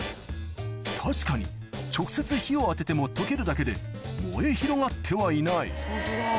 確かに直接火を当てても溶けるだけで燃え広がってはいない